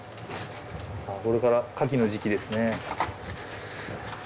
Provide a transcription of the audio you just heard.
これから牡蠣の時期ですね。